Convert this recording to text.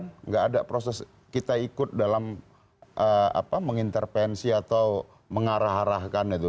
tidak ada proses kita ikut dalam mengintervensi atau mengarah arahkan itu